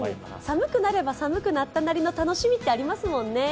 寒くなれば寒くなったなりの楽しみってありますもんね。